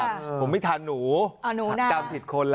ผมไม่ทานหนูจำผิดคนล่ะ